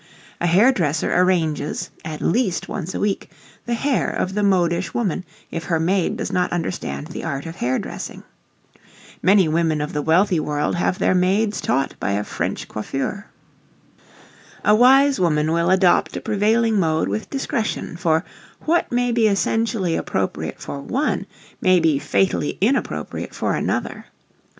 A hair dresser arranges, at least once a week, the hair of the modish woman if her maid does not understand the art of hair dressing. Many women of the wealthy world have their maids taught by a French coiffeur. A wise woman will adopt a prevailing mode with discretion, for, what may be essentially appropriate for one, may be fatally inappropriate for another.